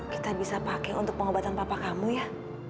kita bisa pakai untuk pengobatan papa kamu ya